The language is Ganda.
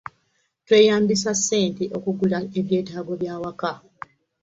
Tweyambisa ssente okugula ebyetaago bya waka.